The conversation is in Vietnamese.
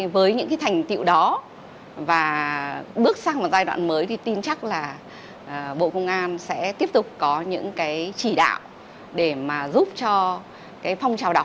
với những thành tiệu đó và bước sang một giai đoạn mới thì tin chắc là bộ công an sẽ tiếp tục có những chỉ đạo để giúp cho phong trào đọc